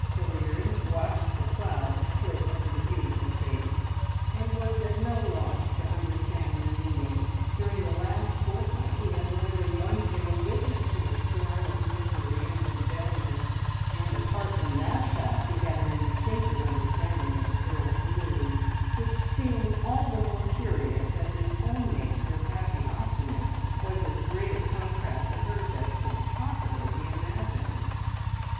Hilliard watched the clouds flit over the beautiful face, and was at no loss to understand their meaning. During the last fortnight he had more than once been a witness to a storm of misery and rebellion, and apart from that fact he had an instinctive understanding of the girl's moods, which seemed all the more curious, as his own nature of happy optimism was as great a contrast to hers as could possibly be imagined.